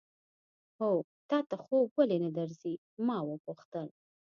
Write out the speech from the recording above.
هو، تا ته خوب ولې نه درځي؟ ما وپوښتل.